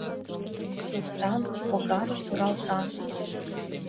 Суртан, поган, оралтан